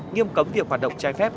nghiêm cấm việc hoạt động trái phép